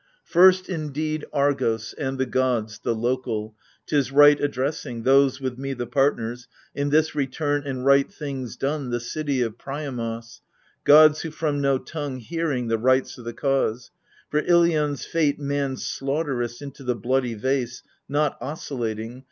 First, indeed, Argos, and the gods, the local, 'T is right addressing — those with me the partners In this return and right things done the city Of Priamos : gods who, from no tongue hearing The rights o' the cause, for Ilion's fate man slaught'rous Into the bloody vase, not oscillating.